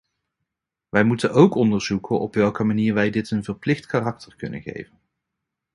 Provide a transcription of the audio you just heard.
We moeten ook onderzoeken op welke manier wij dit een verplicht karakter kunnen geven.